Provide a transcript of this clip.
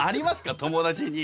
友達に。